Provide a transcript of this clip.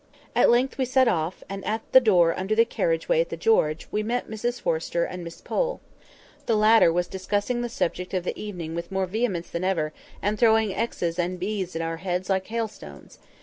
At length we set off; and at the door under the carriage way at the "George," we met Mrs Forrester and Miss Pole: the latter was discussing the subject of the evening with more vehemence than ever, and throwing X's and B's at our heads like hailstones.